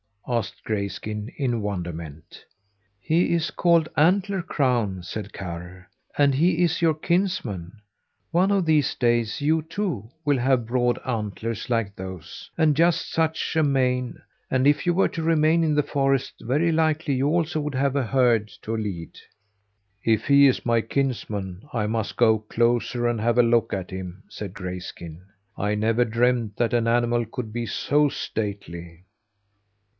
asked Grayskin in wonderment. "He is called Antler Crown," said Karr, "and he is your kinsman. One of these days you, too, will have broad antlers, like those, and just such a mane; and if you were to remain in the forest, very likely you, also, would have a herd to lead." "If he is my kinsman, I must go closer and have a look at him," said Grayskin. "I never dreamed that an animal could be so stately!"